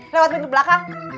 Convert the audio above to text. lewat mobil belakang